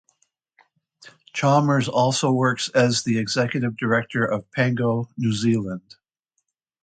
Chalmers also works as the executive director of Pango New Zealand.